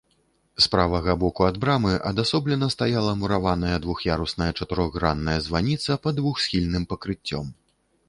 З правага боку ад брамы адасоблена стаяла мураваная двух'ярусная чатырохгранная званіца пад двухсхільным пакрыццём.